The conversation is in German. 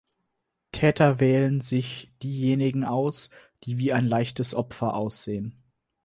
Täter wählen sich diejenigen aus, die wie ein leichtes Opfer aussehen.